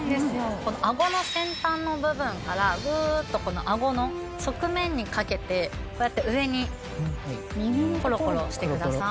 このあごの先端の部分からグーッとあごの側面にかけてこうやって上にコロコロしてください。